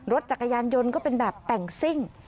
รถจักรยานยนต์ก็เป็นแบบแต่งซิ่ง